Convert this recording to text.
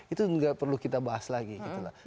itu nggak perlu kita bahas lagi gitu loh